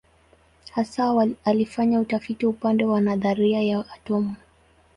Hasa alifanya utafiti upande wa nadharia ya atomu.